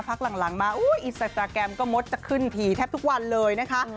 พักหลังมาอินสตาแกรมก็มดจะขึ้นถี่แทบทุกวันเลยนะคะ